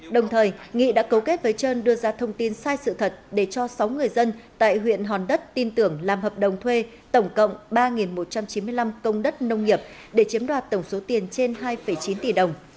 đồng thời nghị đã cấu kết với trơn đưa ra thông tin sai sự thật để cho sáu người dân tại huyện hòn đất tin tưởng làm hợp đồng thuê tổng cộng ba một trăm chín mươi năm công đất nông nghiệp để chiếm đoạt tổng số tiền trên hai chín tỷ đồng